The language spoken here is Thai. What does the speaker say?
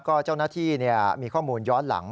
ก็เจ้าหน้าที่มีข้อมูลย้อนหลัง